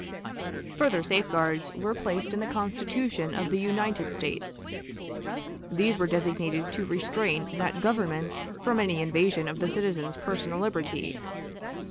Further safeguards were placed in the Constitution of the United States. These were designed to restrain that Government from any invasion of the citizen's personal liberty.